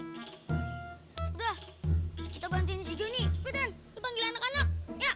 udah kita bantuin si joni cepetin dibanggil anak anak